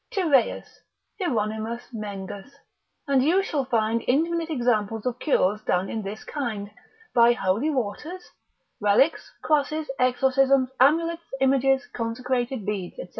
9. Tyreus, Hieronymus Mengus, and you shall find infinite examples of cures done in this kind, by holy waters, relics, crosses, exorcisms, amulets, images, consecrated beads, &c.